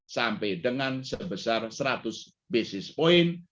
sampai dengan sebesar seratus basis point